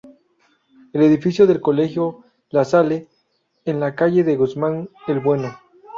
El edificio del Colegio La Salle, en la calle de Guzmán el Bueno.